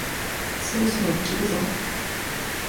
そろそろ切るぞ？